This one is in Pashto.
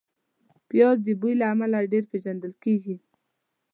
پیاز د بوی له امله ډېر پېژندل کېږي